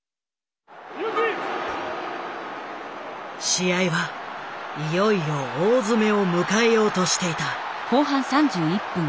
試合はいよいよ大詰めを迎えようとしていた。